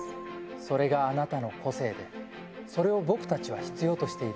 それがあなたの個性で、それを僕たちは必要としている。